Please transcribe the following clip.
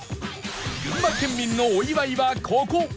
群馬県民のお祝いはここ！